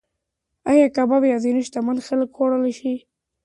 ایا کباب یوازې شتمن خلک خوړلی شي؟